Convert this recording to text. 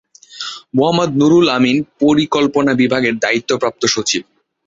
মোহাম্মদ নুরুল আমিন পরিকল্পনা বিভাগের দায়িত্বপ্রাপ্ত সচিব।